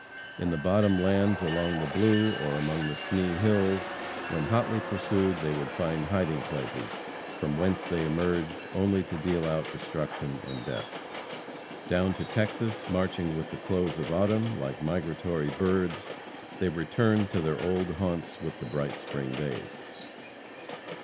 In the bottom lands along the Blue, or among the Sni hills, when hotly pursued, they would find hiding places, from whence they emerged only to deal out destruction and death. Down to Texas, marching with the close of autumn, like migratory birds, they returned to their old haunts with the bright spring days.